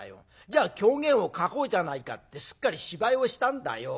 じゃあ狂言を書こうじゃないかってすっかり芝居をしたんだよ。